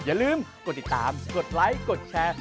อย่าลืมกดติดตามกดไลค์กดแชร์